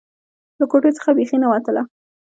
له کوټې څخه بيخي نه وتله.